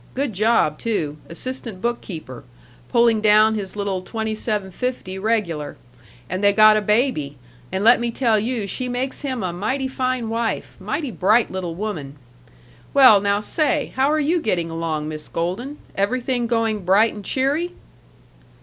Good job, too, assistant bookkeeper, pulling down his little twenty seven fifty regular, and they got a baby, and let me tell you she makes him a mighty fine wife, mighty bright little woman. Well, now, say! How are you getting along, Miss Golden? Everything going bright and cheery?"